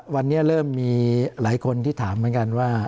วันนี้เริ่มมีหลายคนที่ถามเหมือนกันว่า